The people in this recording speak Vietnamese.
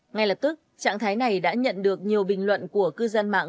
ngay lập tức trạng thái này đã nhận được nhiều bình luận của cư dân mạng